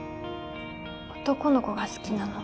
男の子が好きなの？